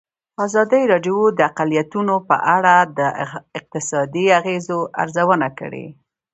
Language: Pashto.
ازادي راډیو د اقلیتونه په اړه د اقتصادي اغېزو ارزونه کړې.